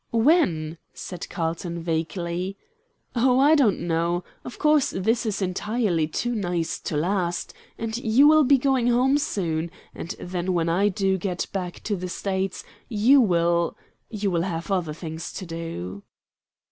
"When?" said Carlton, vaguely. "Oh, I don't know. Of course this is entirely too nice to last, and you will be going home soon, and then when I do get back to the States you will you will have other things to do."